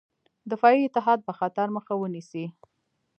دفاعي اتحاد به خطر مخه ونیسي.